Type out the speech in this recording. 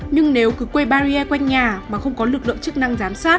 nhưng nếu cứ quây barrier quanh nhà mà không có lực lượng chức năng